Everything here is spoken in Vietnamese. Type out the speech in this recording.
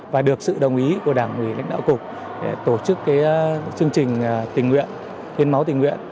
và được sự đồng ý của đảng ủy lãnh đạo cục để tổ chức chương trình huyên máu tình nguyện